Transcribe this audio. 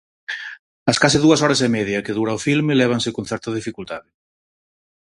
As case dúas horas e media que dura o filme lévanse con certa dificultade.